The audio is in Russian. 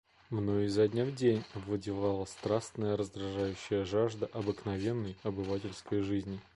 Мною изо дня в день овладевала страстная, раздражающая жажда обыкновенной, обывательской жизни.